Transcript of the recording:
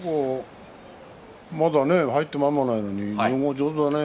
まだ入ってまもないのに日本語上手だね。